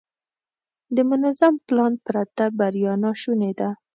د منظم پلان پرته بریا ناشونې ده.